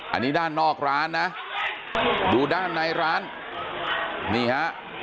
อันนี้ด้านนอกร้านนะดูด้านในร้านนี่ฮะ